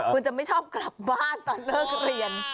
คุณจะไม่ชอบกลับบ้านตอนเลิกเรียน